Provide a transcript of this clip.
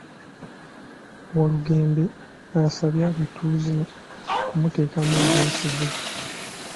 Walugembe asabye abatuuze okumuteekamu obwesige